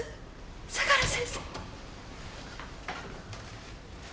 相良先生。